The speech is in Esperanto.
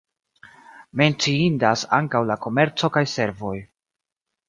Menciindas ankaŭ la komerco kaj servoj.